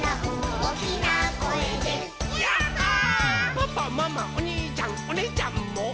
「パパママおにいちゃんおねぇちゃんも」